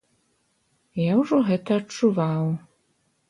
Я ўжо гэта адчуваў.